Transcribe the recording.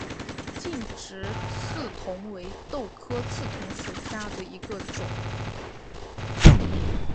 劲直刺桐为豆科刺桐属下的一个种。